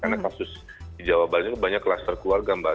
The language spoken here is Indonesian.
karena kasus di jawa barat ini banyak kluster keluarga mbak